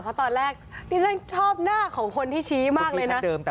เพราะตอนแรกที่ฉันชอบหน้าของคนที่ชี้มากเลยนะ